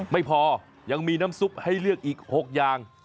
ไม่พอยังมีน้ำซุปให้เลือกอีก๖อย่าง